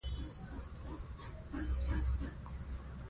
مور د کورنۍ روغتیا د ښه والي لپاره هڅه کوي.